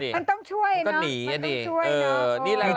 มันต้องช่วยเนอะมันต้องช่วยเนอะ